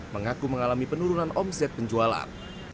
mengaku mengalami penurunan omset penjualan